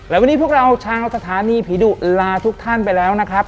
และวันนี้พวกเราชาวสถานีผีดุลาทุกท่านไปแล้วนะครับ